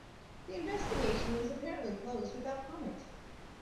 The investigation was apparently closed without comment.